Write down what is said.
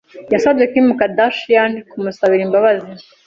yasabye Kim Kardashian kumusabira imbabazi